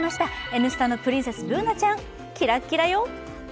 「Ｎスタ」のプリンセスＢｏｏｎａちゃんキラッキラよ。